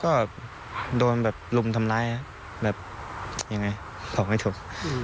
ก็โดนแบบลุมทำร้ายครับแบบยังไงตอบไม่ถูก